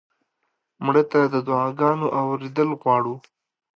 مړه ته د دعا ګانو اورېدل غواړو